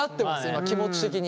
今気持ち的に。